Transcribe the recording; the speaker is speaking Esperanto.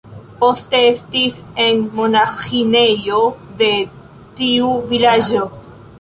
Poste estis en monaĥinejo de tiu vilaĝo.